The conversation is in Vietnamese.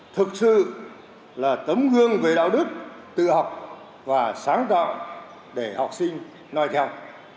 thực sự là tấm gương về đạo đức tự học và sáng tạo để học sinh nói theo